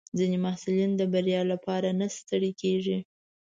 ځینې محصلین د بریا لپاره نه ستړي کېږي.